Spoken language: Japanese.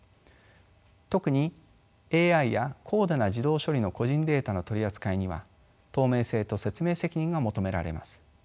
特にＡＩや高度な自動処理の個人データの取り扱いには透明性と説明責任が求められます。